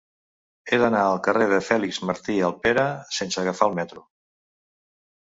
He d'anar al carrer de Fèlix Martí Alpera sense agafar el metro.